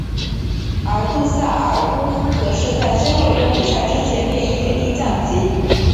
而杜塞尔多夫则是在最后一轮比赛之前便已铁定降级。